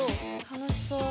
楽しそう。